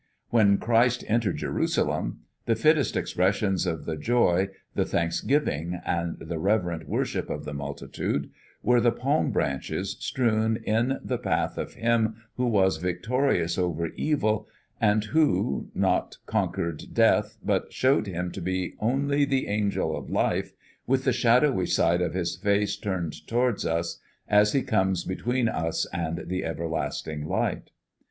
When Christ entered Jerusalem, the fittest expressions of the joy, the thanksgiving and the reverent worship of the multitude were the palm branches, strewn in the path of him who was victorious over Evil, and who not conquered death, but showed him to be only the angel of Life, with the shadowy side of his face turned towards us, as he comes between us and the Everlasting Light.